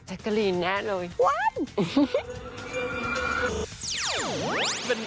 แจ๊กกะลีนแน่เลยว่า